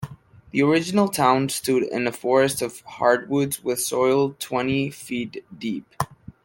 The original town stood in a forest of hardwoods with soil twenty feet deep.